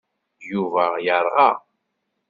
Yuba yerɣa.